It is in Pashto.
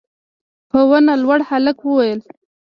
په ونه لوړ هلک وويل: